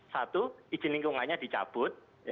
satu izin lingkungannya dicabut